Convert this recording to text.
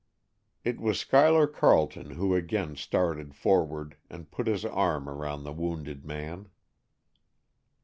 It was Schuyler Carleton who again started forward, and put his arm around the wounded man.